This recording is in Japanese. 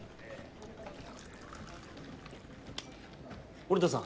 森田さん